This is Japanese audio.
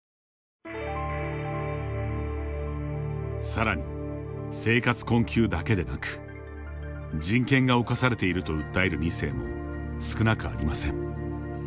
さらに、生活困窮だけでなく人権が侵されていると訴える２世も少なくありません。